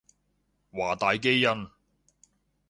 華大基因